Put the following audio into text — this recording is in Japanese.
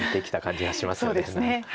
そうですね。